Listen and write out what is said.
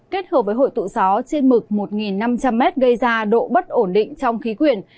kết hợp với hội tụ gió trên mực một năm trăm linh m gây ra độ bất ổn định trong khí quyển